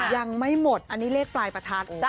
ยังไม่หมดอันนี้เลขปลายประทัด